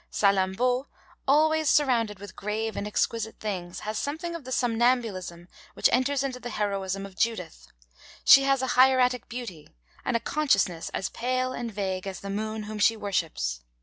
Salammbô, 'always surrounded with grave and exquisite things,' has something of the somnambulism which enters into the heroism of Judith; she has a hieratic beauty, and a consciousness as pale and vague as the moon whom she worships.